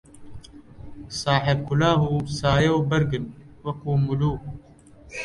ساحێب کولاهـ و سایە و بەرگن وەکوو مولووک